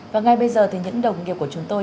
và ngay bây giờ thì những đồng nghiệp của chúng tôi